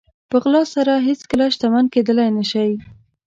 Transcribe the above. په غلا سره هېڅکله شتمن کېدلی نه شئ.